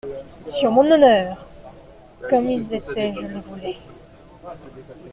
Sur mon honneur, comme ils étaient je les voulais.